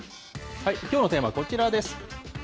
きょうのテーマはこちらです。